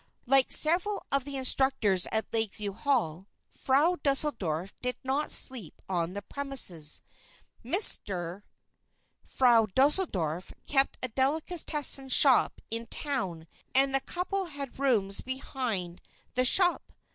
Like several of the instructors at Lakeview Hall, Frau Deuseldorf did not sleep on the premises. "Mister" Frau Deuseldorf kept a delicatessen shop in town and the couple had rooms behind the shop.